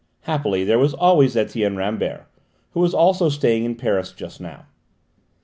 Happily there was always Etienne Rambert, who was also staying in Paris just now.